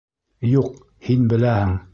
Юҡ, һин беләһең!